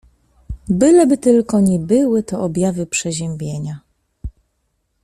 Byleby tylko nie były to objawy przeziębienia…